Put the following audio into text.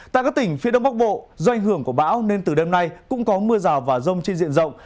tại các tỉnh phía đông bắc bộ do ảnh hưởng của bão nên từ đêm nay cũng có mưa rào và rông trên diện rộng